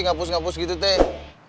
hapus hapus gitu neng